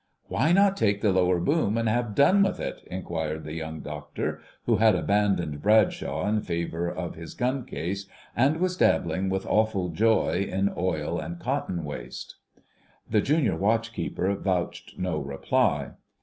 "Why not take the lower boom and have done with it?" inquired the Young Doctor, who had abandoned 'Bradshaw' in favour of his gun case, and was dabbling with awful joy in oil and cotton waste. The Junior Watch keeper vouched no reply.